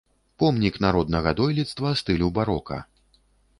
Помнік народнага дойлідства стылю барока.